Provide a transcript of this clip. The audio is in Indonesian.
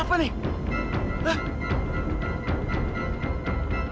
pergi pergi pergi